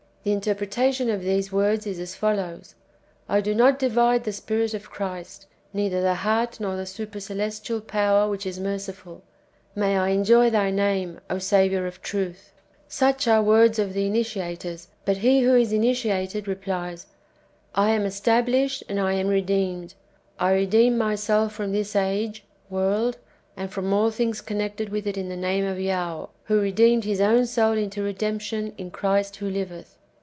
'" The interpretation of these words is as follows :" I do not divide the Spirit of Christ, neither the heart nor the supercelestial power which is merciful; may I enjoy Thy name, O Saviour of truth !" Such are the words of the initiators ; but he wdio is initiated, replies, " I am established, and I am redeemed ; I redeem my soul from this age (world), and from all things connected with it in the name of lao, who redeemed his own soul into redemption in Christ who liveth."